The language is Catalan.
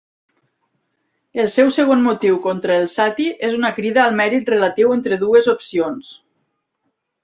El seu segon motiu contra el "sati" és una crida al mèrit relatiu entre dues opcions.